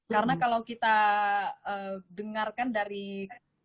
karena kalau kita dengarkan dari penjelasan